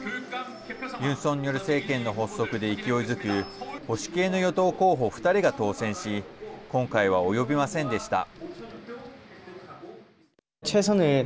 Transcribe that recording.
ユン・ソンニョル政権の発足で勢いづく保守系の与党候補２人が当選し今回は及びませんでした。